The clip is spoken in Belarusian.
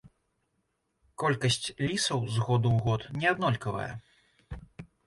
Колькасць лісаў з году ў год неаднолькавая.